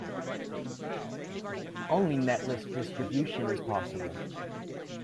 Only netlist distribution is possible.